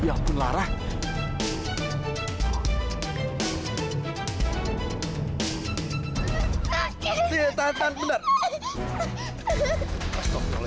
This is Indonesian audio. ya allah pernikahan ini dibatalin